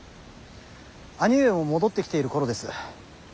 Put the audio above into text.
兄上も戻ってきている頃です。